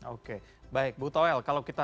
oke baik bu toel